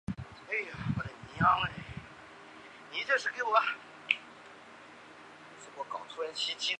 金山停车区是位于北海道札幌市手稻区的札樽自动车道之停车区。